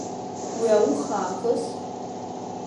Уи ауха аахыс…